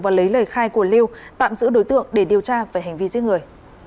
và lấy lời khai của lưu tạm giữ đối tượng để điều tra về hành vi giết người